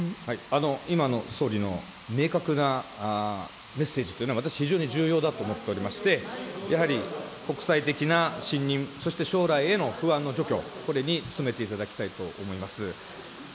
今の総理の明確なメッセージというのは、私は非常に重要だと思っておりまして、やはり、国際的な信認、そして将来への不安の除去、これに努めていただきたいと思います。